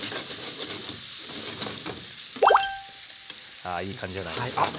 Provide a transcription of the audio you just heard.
あいい感じじゃないですか。